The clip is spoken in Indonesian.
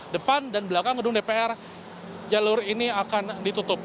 depan dan belakang gedung dpr jalur ini akan ditutup